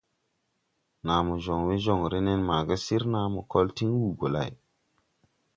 Naa joŋ we joŋre nen maaga sir naa mo kol tiŋ wuu gɔ lay.